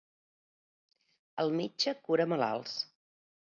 El metge cura malalts.